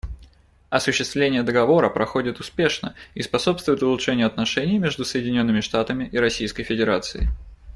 Осуществление Договора проходит успешно и способствует улучшению отношений между Соединенными Штатами и Российской Федерацией.